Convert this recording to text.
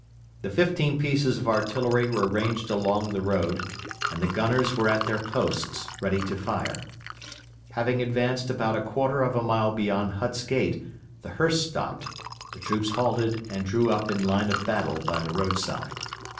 The fifteen pieces of artillery were ranged along the road, and the gunners were at their posts ready to fire. Having advanced about a quarter of a mile beyond Hut's Gate the hearse stopped, the troops halted and drew up in line of battle by the roadside.